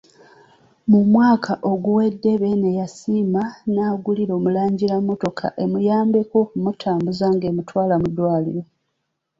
Mu mwaka oguwedde Beene yasiima n'agulira Omulangira emmotoka emuyambeko okumutambuza ng'emutwala mu ddwaliro.